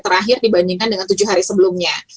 terakhir dibandingkan dengan tujuh hari sebelumnya